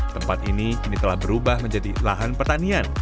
tempat ini kini telah berubah menjadi lahan pertanian